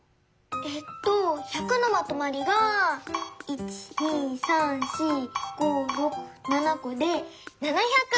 えっと１００のまとまりが１２３４５６７こで７００！